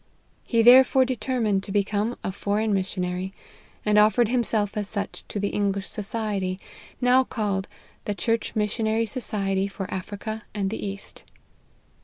He there fore determined to become a foreign missionary, and offered himself as such to the English society, now called " The Church Missionary Society for Africa and the East."